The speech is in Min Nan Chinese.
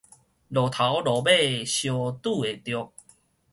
路頭路尾相拄會著